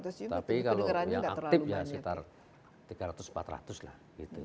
tapi kalau yang aktif ya sekitar tiga ratus empat ratus lah gitu